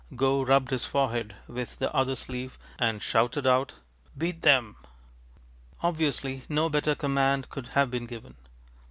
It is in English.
ŌĆØ Gough rubbed his forehead with the other sleeve, and shouted out, ŌĆ£Beat ŌĆÖem! ŌĆØ Obviously no better command could have been given.